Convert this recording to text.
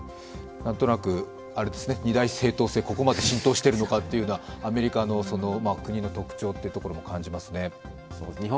何となく二大政党制、ここまで浸透しているのかというアメリカの国の特徴というところも感じますね。